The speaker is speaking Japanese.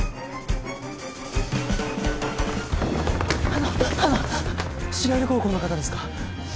あの白百合高校の方ですか？